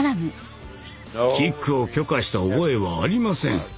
キックを許可した覚えはありません。